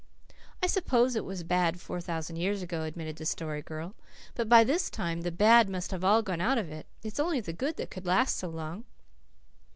"I suppose it was bad four thousand years ago," admitted the Story Girl. "But by this time the bad must have all gone out of it. It's only the good that could last so long."